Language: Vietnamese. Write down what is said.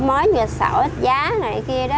về sổ ít giá này kia đó